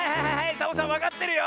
サボさんわかってるよ！